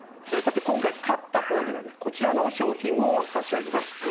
さて今回勝った方にはこちらの賞品を差し上げます。